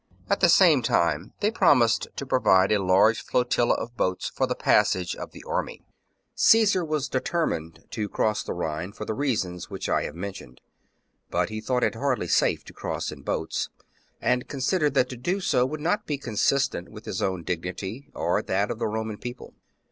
At the same time they promised to provide a large flotilla of boats for the passage of the. army. 17. Caesar was determined to cross the Rhine designs a for the reasons which I have mentioned ; but he thought it hardly safe to cross in boats, and con sidered that to do so would not be consistent with his own dignity or that of the Roman People.